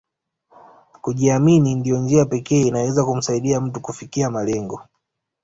Kujiamini ndio njia pekee inayoweza kumsaidia mtu kufikia malengo